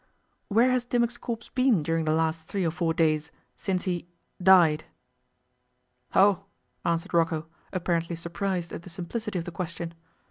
'Where has Dimmock's corpse been during the last three or four days, since he died?' 'Oh!' answered Rocco, apparently surprised at the simplicity of the question.